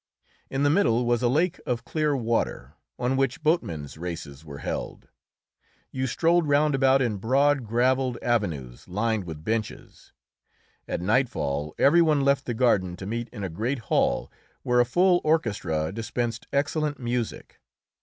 In the middle was a lake of clear water, on which boatmen's races were held. You strolled round about in broad, gravelled avenues lined with benches. At nightfall every one left the garden to meet in a great hall where a full orchestra dispensed excellent music.